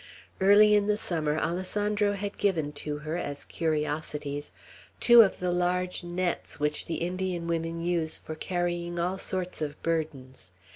Early in the summer Alessandro had given to her, as curiosities, two of the large nets which the Indian women use for carrying all sorts of burdens.